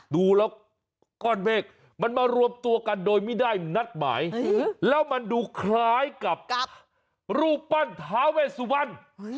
ดูแล้วก้อนเมฆมันมารวมตัวกันโดยไม่ได้นัดหมายแล้วมันดูคล้ายกับรูปปั้นท้าเวสุวรรณ